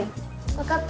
わかった。